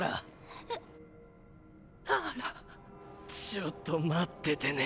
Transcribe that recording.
ちょっと待っててね